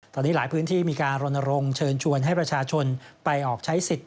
ตอนนี้หลายพื้นที่มีการรณรงค์เชิญชวนให้ประชาชนไปออกใช้สิทธิ์